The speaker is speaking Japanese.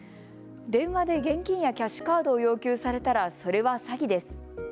電話で現金やキャッシュカードを要求されたら、それは詐欺です。